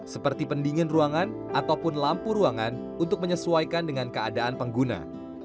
seperti pendingin ruangan ataupun lampu ruangan untuk menyesuaikan dengan keadaan pengguna